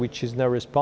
đến từ eu